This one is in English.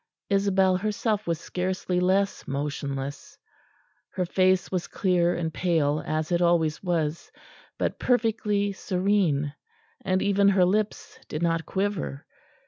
Isabel herself was scarcely less motionless; her face was clear and pale as it always was, but perfectly serene, and even her lips did not quiver.